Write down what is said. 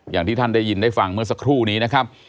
อย่างที่ท่านได้ยินได้ฟังเมื่อสักครู่นี้นะครับ